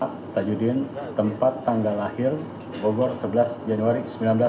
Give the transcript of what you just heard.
pak tajudin tempat tanggal lahir bogor sebelas januari seribu sembilan ratus empat puluh